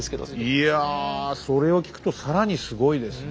いやそれを聞くと更にすごいですね。